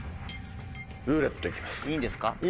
いいんですか？